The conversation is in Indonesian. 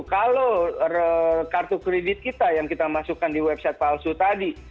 kalau kartu kredit kita yang kita masukkan di website palsu tadi